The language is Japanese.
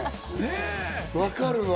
分かるわ。